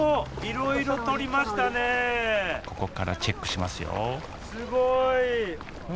ここからチェックしますよすごい。